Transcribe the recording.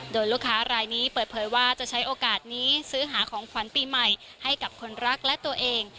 โดยลูกค้ารายนี้เปิดเผยว่าจะใช้โอกาสนี้ซื้อหาของขวัญปีใหม่ให้กับคนรักและตัวเอง